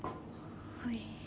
はい。